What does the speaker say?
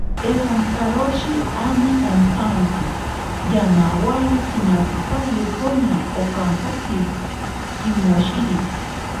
Ewankaroshi ami pantsantsi, yamawari tsimiripaye poña akakotsi kimoshiri.